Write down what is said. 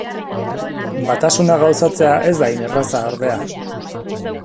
Batasuna gauzatzea ez da hain erraza, ordea.